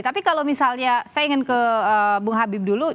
tapi kalau misalnya saya ingin ke bung habib dulu